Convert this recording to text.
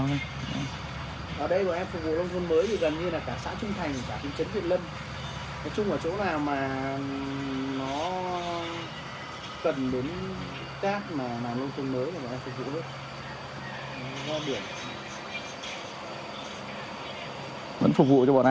ở đây bọn em phục vụ nông thôn mới gần như là cả xã trung thành cả phương trấn việt lân